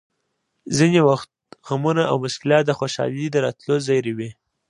ځینې وخت غمونه او مشکلات د خوشحالۍ د راتلو زېری وي!